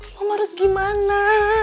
mama harus gimana